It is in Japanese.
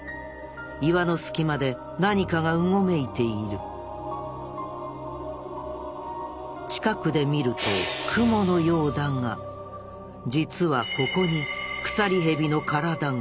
岩の隙間で何かがうごめいている近くで見るとクモのようだが実はここにクサリヘビの体が！